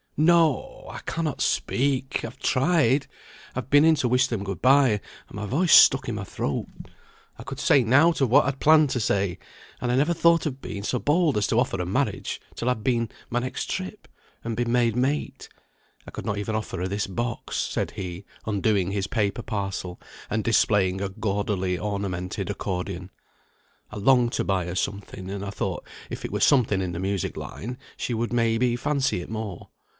"No! I cannot speak! I have tried. I've been in to wish them good bye, and my voice stuck in my throat. I could say nought of what I'd planned to say; and I never thought of being so bold as to offer her marriage till I'd been my next trip, and been made mate. I could not even offer her this box," said he, undoing his paper parcel and displaying a gaudily ornamented accordion; "I longed to buy her something, and I thought, if it were something in the music line, she would may be fancy it more.